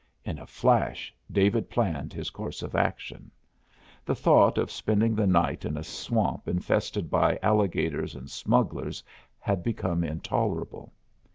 In a flash David planned his course of action. The thought of spending the night in a swamp infested by alligators and smugglers had become intolerable.